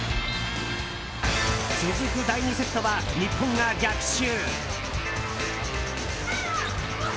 続く第２セットは日本が逆襲！